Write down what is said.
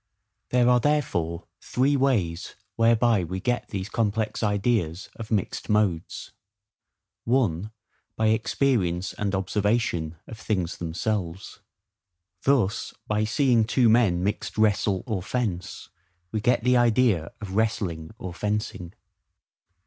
There are therefore three ways whereby we get these complex ideas of mixed modes:—(1) By experience and OBSERVATION of things themselves: thus, by seeing two men mixed wrestle or fence, we get the idea of wrestling or fencing.